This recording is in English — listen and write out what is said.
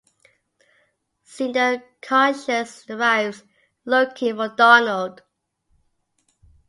Soon the Conscience arrives looking for Donald.